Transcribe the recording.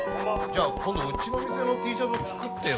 今度うちの店のＴシャツも作ってよ